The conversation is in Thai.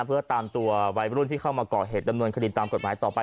เพื่อตามตัววัยรุ่นที่เข้ามาก่อเหตุดำเนินคดีตามกฎหมายต่อไป